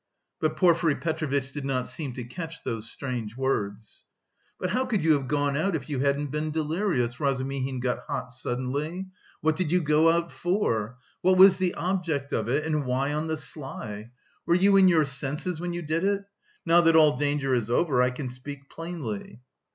But Porfiry Petrovitch did not seem to catch those strange words. "But how could you have gone out if you hadn't been delirious?" Razumihin got hot suddenly. "What did you go out for? What was the object of it? And why on the sly? Were you in your senses when you did it? Now that all danger is over I can speak plainly."